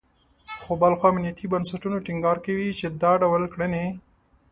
خو بل خوا امنیتي بنسټونه ټینګار کوي، چې دا ډول کړنې …